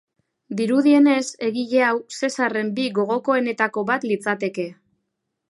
Dirudienez egile hau Zesarren bi gogokoenetako bat litzateke.